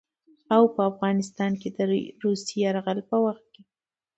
او په افغانستان د روسي يرغل په وخت